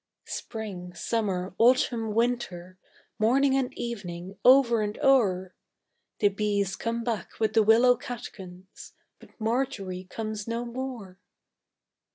Spring, summer, autumn, winter, Morning and evening, over and o'er! The bees come back with the willow catkins, But Marjory comes no more.